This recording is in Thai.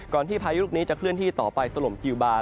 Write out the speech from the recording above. ที่พายุลูกนี้จะเคลื่อนที่ต่อไปถล่มคิวบาร์